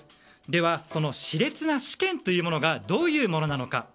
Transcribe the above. では、その熾烈な試験というものがどういうものなのか。